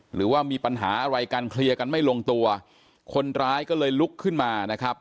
หรือว่ามีปัญหาอะไรกันเคลียร์กันไม่ลงตัวคนร้ายก็เลยลุกขึ้นมานะครับ